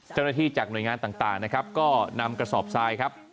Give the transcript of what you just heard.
เจ้าหน้าที่จากหน่วยงานต่างนะครับก็นำกระสอบทรายครับ